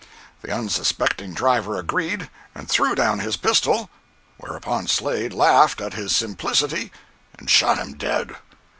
The unsuspecting driver agreed, and threw down his pistol—whereupon Slade laughed at his simplicity, and shot him dead!